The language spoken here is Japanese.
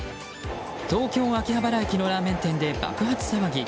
東京・秋葉原駅のラーメン店で爆発騒ぎ。